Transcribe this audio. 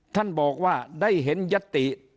ท่านบอกว่าได้เห็นยัตติ